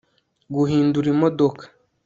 guhindura imodoka